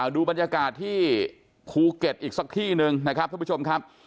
ดูบรรยากาศที่ภูเก็ตอีกสักที่หนึ่งนะครับท่านผู้ชมครับ